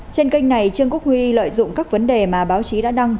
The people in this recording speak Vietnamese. trên kênh này trương quốc huy lợi dụng các vấn đề mà báo chí đã đăng